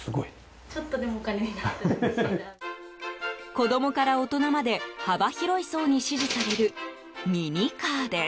子供から大人まで幅広い層に支持されるミニカーです。